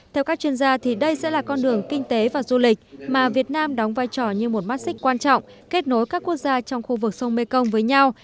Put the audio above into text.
theo các chuyên gia đây sẽ là con đường kinh tế và du lịch mà việt nam đóng vai trò như một mắt xích quan trọng kết nối các quốc gia trong khu vực sông mekong với nhau